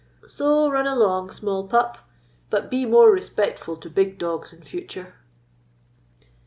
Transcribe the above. So, run along, small pup, but be more respectful to big dogs in future."